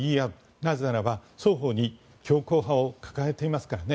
なぜならば双方に強硬派を抱えていますからね。